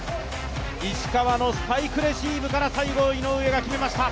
石川のスパイクレシーブから最後、井上が決めました。